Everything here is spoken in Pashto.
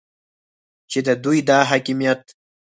چې د دوی دا حاکمیت